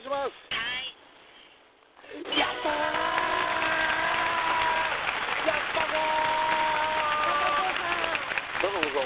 ☎はいやったぞー！